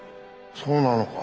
そうなのか。